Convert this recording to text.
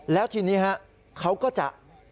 แล้วทีนี้เขาก็จะ